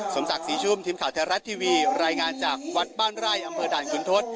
สมศักดิ์ศรีชุ่มทีมข่าวไทยรัฐทีวีรายงานจากวัดบ้านไร่อำเภอด่านขุนทศ